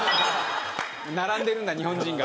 並んでるんだ日本人が。